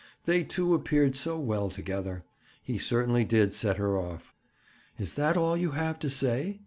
They two appeared so well together. He certainly did set her off. "Is that all you have to say?"